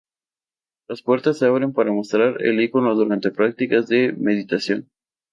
Las puertas se abren para mostrar el icono durante prácticas de meditación.